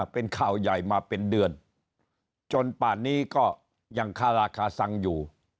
เป็นข่าวใหญ่มาเป็นเดือนจนป่านนี้ก็ยังคาราคาซังอยู่